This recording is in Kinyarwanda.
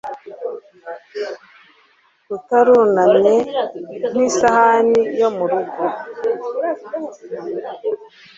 utarunamye nk'isahani yo mu rugo